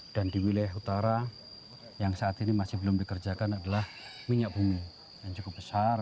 di wilayah utara yang saat ini masih belum dikerjakan adalah minyak bumi yang cukup besar